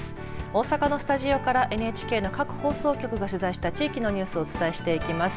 大阪のスタジオからＮＨＫの各放送局の取材した地域のニュースをお伝えしていきます。